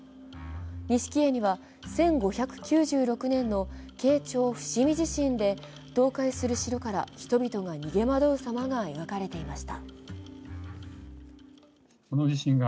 錦絵には、１５９６年の慶長伏見地震で倒壊する城から人々が逃げ惑う様が描かれていました。